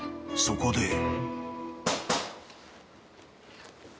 ［そこで］